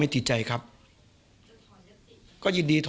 ที่นี้